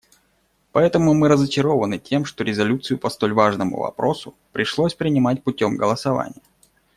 Поэтому мы разочарованы тем, что резолюцию по столь важному вопросу пришлось принимать путем голосования.